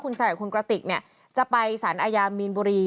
ใส่กับคุณกระติกเนี่ยจะไปสารอาญามีนบุรี